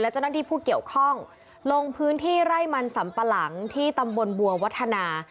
เจ้าหน้าที่ผู้เกี่ยวข้องลงพื้นที่ไร่มันสัมปะหลังที่ตำบลบัววัฒนา